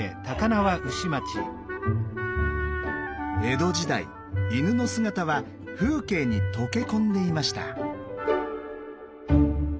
江戸時代犬の姿は風景に溶け込んでいました。